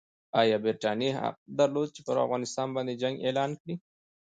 ایا برټانیې حق درلود چې پر افغانستان باندې جنګ اعلان کړي؟